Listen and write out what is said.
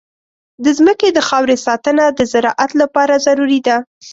د ځمکې د خاورې ساتنه د زراعت لپاره ضروري ده.